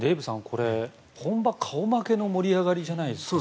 これ、本場顔負けの盛り上がりじゃないですか？